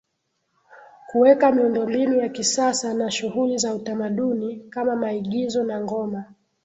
Kuweka miundombinu ya kisasa na shughuli za utamaduni kama maigizo na ngoma